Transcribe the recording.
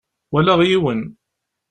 Walaɣ yiwen.